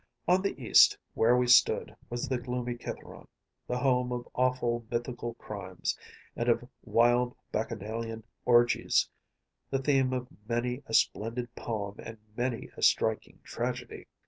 On the east, where we stood, was the gloomy Cith√¶ron‚ÄĒthe home of awful mythical crimes, and of wild Bacchanalian orgies, the theme of many a splendid poem and many a striking tragedy.